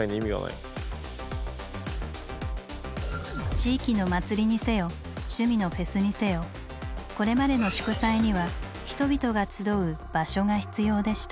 地域の「祭り」にせよ趣味の「フェス」にせよこれまでの祝祭には人々が集う「場所」が必要でした。